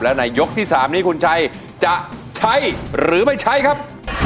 และในยกที่๓นี้คุณชัยจะใช้หรือไม่ใช้ครับ